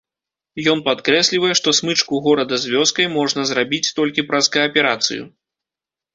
Ён падкрэслівае, што смычку горада з вёскай можна зрабіць толькі праз кааперацыю.